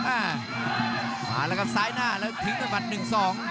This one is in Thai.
อ่ามาล่ะครับซ้ายหน้าแล้วถึงตัวมัน๑๒